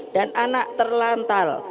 dan anak terlantal